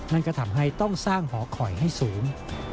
นั่นก็ทำให้ต้องสร้างหอคอยให้สูง